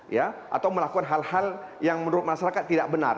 ya atau melakukan hal hal yang menurut masyarakat tidak benar